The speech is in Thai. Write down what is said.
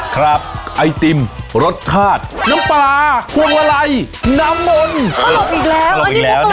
ครับไอติมรสชาติน้ำปลาควงวะไหล่น้ำมนฮะลบอีกแล้ว